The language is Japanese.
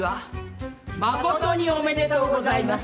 誠におめでとうございます。